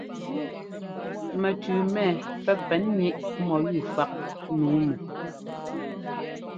Mɛtʉʉ mɛ pɛ́ pɛn níꞌ mɔyúu fák nǔu mɔ.